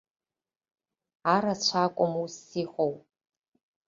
Арацәа акәым усс иҟоу.